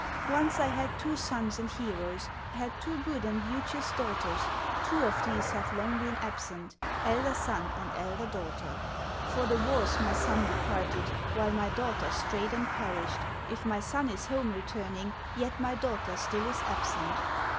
Once I had two sons and heroes, Had two good and beauteous daughters, Two of these have long been absent, Elder son and elder daughter; For the wars my son departed, While my daughter strayed and perished; If my son is home returning, Yet my daughter still is absent."